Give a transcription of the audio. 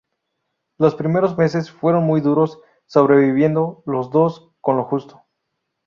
Los primeros meses fueron muy duros, sobreviviendo los dos con lo justo.